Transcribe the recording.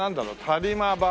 タリマバ？